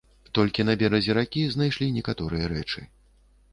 Толькі на беразе ракі знайшлі некаторыя рэчы.